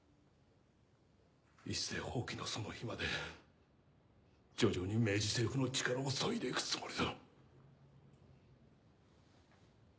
一斉蜂起のその日まで徐々に明治政府の力を削いで行くつもりだ！